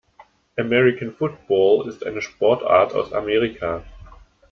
American Football ist eine Sportart aus Amerika.